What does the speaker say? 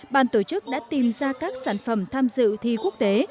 ban tổ chức đã tìm ra các sản phẩm tham dự thi quốc tế